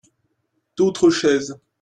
D'autres chaises.